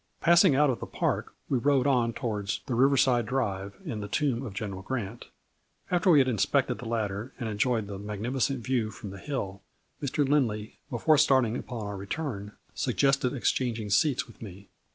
Passing out of the Park we rode on towards the River side Drive and the tomb of General Grant. After we had inspected the latter and enjoyed the magnificent view from the hill, Mr. Lindley, before starting upon our return, suggested ex changing seats with me.